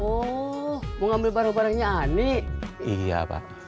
oh mau ambil barang barangnya anik